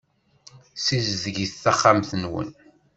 Ssizdget taxxamt-nwen.